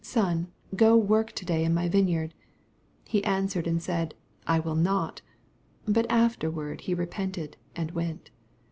Son, go work to day in my vineyard. 29 He answered, and said, I will not : but afterward he repented, and went.